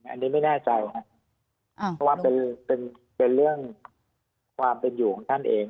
อันนี้ไม่แน่ใจครับเพราะว่าเป็นเรื่องความเป็นอยู่ของท่านเอง